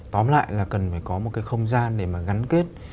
tóm lại là cần phải có một cái không gian để mà gắn kết